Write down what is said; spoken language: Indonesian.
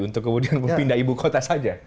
untuk kemudian pindah ibu kota saja